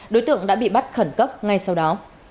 đối tượng đã bị bắt khẩn cấp ngay sau đó